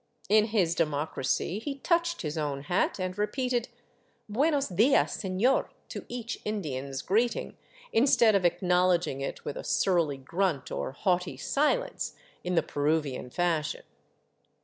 In his democracy he touched his own hat and repeated " Buenos dias, seiior " to each Indian's greeting, instead of acknowledging it with a surly grunt or haughty silence, in the Pe ruvian fashion.